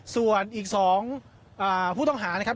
ส่วนอีก๒ผู้ต้องหานะครับ